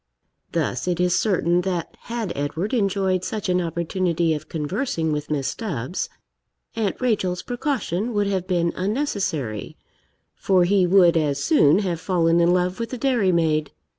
Thus, it is certain, that had Edward enjoyed such an opportunity of conversing with Miss Stubbs, Aunt Rachel's precaution would have been unnecessary, for he would as soon have fallen in love with the dairy maid.